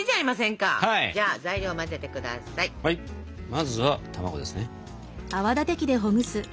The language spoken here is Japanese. まずは卵ですね。